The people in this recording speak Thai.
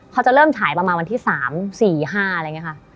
เขาจะเริ่มฉายประมาณวันที่๓๔๕อะไรอย่างนี้ค่ะ